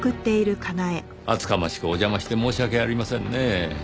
厚かましくお邪魔して申し訳ありませんねぇ。